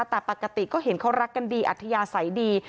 แต่ปกติก็เห็นเขารักกันดีอัธยาศัยดี